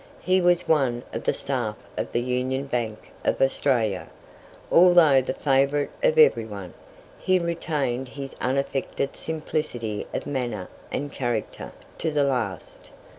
He was one of the staff of the Union Bank of Australia. Although the favourite of everyone, he retained his unaffected simplicity of manner and character to the last.